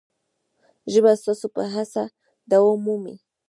ژبه ستاسو په هڅه دوام مومي.